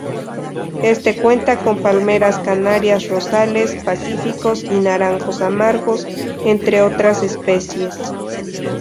Éste cuenta con palmeras canarias, rosales, pacíficos y naranjos amargos, entre otras especies.